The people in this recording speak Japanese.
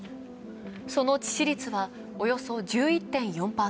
その致死率は、およそ１１．４％。